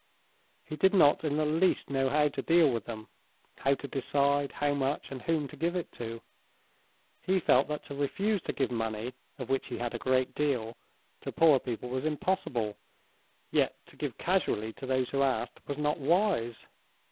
He did not in the least know how to deal with them, how to decide, how much, and whom to give to. He felt that to refuse to give money, of which he had a great deal, to poor people was impossible, yet to give casually to those who asked was not wise.